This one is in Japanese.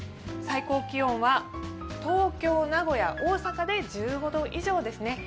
最高気温は東京、名古屋、大阪で１５度以上ですね。